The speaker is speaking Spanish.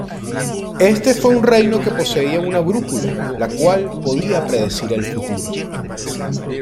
Éste fue un reino que poseía una brújula, la cual podía predecir el futuro.